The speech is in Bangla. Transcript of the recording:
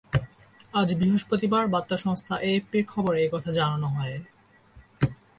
আজ বৃহস্পতিবার বার্তা সংস্থা এএফপির খবরে এ কথা জানানো হয়।